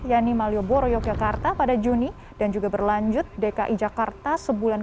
yanni malioboro yogyakarta pada juni dan juga berlanjut dki jakarta sebulan ke depan